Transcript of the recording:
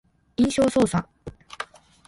印象操作